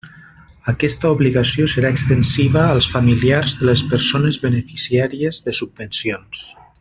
Aquesta obligació serà extensiva als familiars de les persones beneficiàries de subvencions.